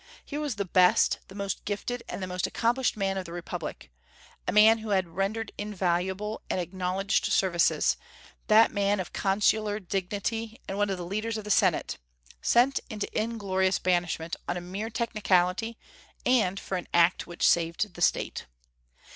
Here was the best, the most gifted, and the most accomplished man of the Republic, a man who had rendered invaluable and acknowledged services, that man of consular dignity and one of the leaders of the Senate, sent into inglorious banishment, on a mere technicality and for an act which saved the State.